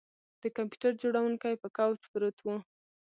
د کمپیوټر جوړونکی په کوچ پروت و